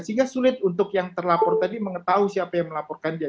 sehingga sulit untuk yang terlapor tadi mengetahui siapa yang melaporkan dia